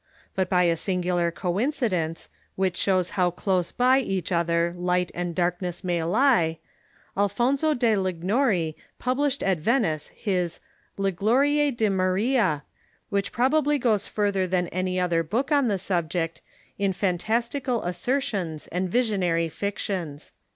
But by a singular coincidence, which shows how close by each other light and darkness may lie, Alfonzo da Liguori published at Venice his ' Le Glorie di Maria,' which probably goes further than any other book on the subject in fantastical assertions and vision ary fictions."